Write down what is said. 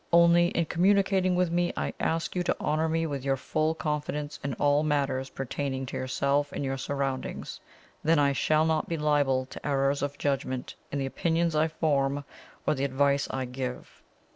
Only, in communicating with me, I ask you to honour me with your full confidence in all matters pertaining to yourself and your surroundings then I shall not be liable to errors of judgment in the opinions I form or the advice I give."